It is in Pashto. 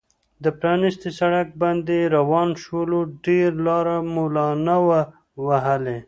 پر پرانیستي سړک باندې روان شولو، ډېره لار مو لا نه وه وهلې.